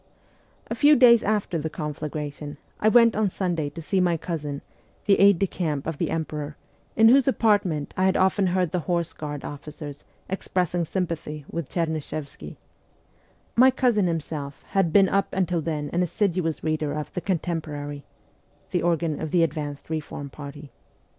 A few days after the conflagration I went on Sunday to see my cousin, the aide de camp of the emperor, in whose apartment I had often heard the Horse Guard officers expressing sympathy with Cherny shevsky ; my cousin himself had been up till then an assiduous reader of ' The Contemporary ' (the organ of the advanced reform party).